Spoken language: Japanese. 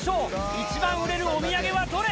一番売れるお土産はどれ？